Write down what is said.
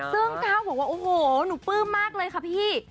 ซึ่งก้าวบอกว่าโอ้โหหนูปลื้มมากเลยค่ะพี่